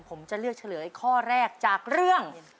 ผมจะเลือกเฉลยข้อแรกจากเรื่อง